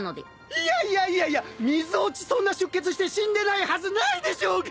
いやいやいやいやみぞおちそんな出血して死んでないはずないでしょうが！